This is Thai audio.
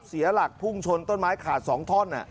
เสียหลักพุ่งชนต้นไม้ขาด๒ท่อน